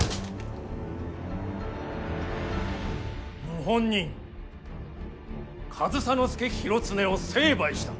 謀反人上総介広常を成敗した。